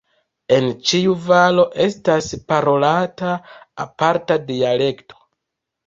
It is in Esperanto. En ĉiu valo estas parolata aparta dialekto.